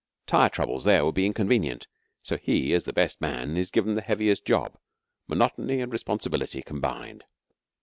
Tire troubles there would be inconvenient, so he, as the best man, is given the heaviest job monotony and responsibility combined.